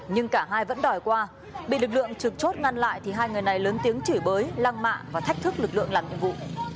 nhưng cả hai vẫn đòi qua bị lực lượng trực chốt ngăn lại thì hai người này lớn tiếng chửi bới lăng mạ và thách thức lực lượng làm nhiệm vụ